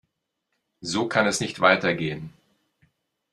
So kann es nicht weitergehen.